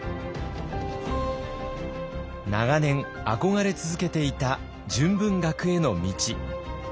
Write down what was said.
長年憧れ続けていた純文学への道。